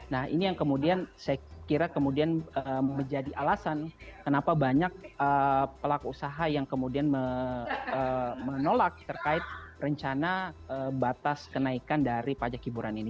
nah ini yang kemudian saya kira kemudian menjadi alasan kenapa banyak pelaku usaha yang kemudian menolak terkait rencana batas kenaikan dari pajak hiburan ini